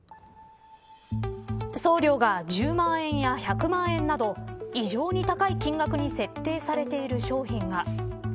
送料が１０万円や１００万円など異常に高い金額に設定されている商品が。